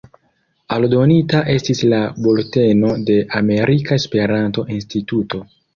Aldonita estis la "Bulteno de Amerika Esperanto-Instituto".